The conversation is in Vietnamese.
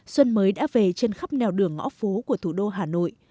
xuân mới đã về trên khắp nèo đường ngõ phố của thủ đô hà nội